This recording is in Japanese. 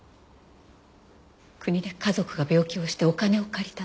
国で家族が病気をしてお金を借りたの。